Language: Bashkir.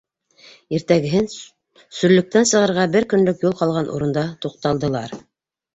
Иртәгеһен сүллектән сығырға бер көнлөк юл ҡалған урында туҡталдылар.